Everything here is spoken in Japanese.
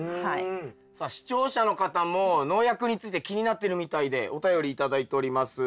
さあ視聴者の方も農薬について気になってるみたいでお便り頂いております。